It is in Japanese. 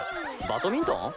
バトミントン？